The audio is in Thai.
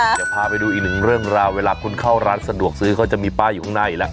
เดี๋ยวพาไปดูอีกหนึ่งเรื่องราวเวลาคุณเข้าร้านสะดวกซื้อเขาจะมีป้ายอยู่ข้างหน้าอีกแล้ว